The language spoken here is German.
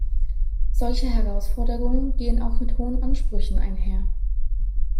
Solche Herausforderungen gehen auch mit hohen Ansprüchen einher.